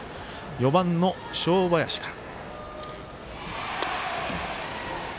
４番の正林から。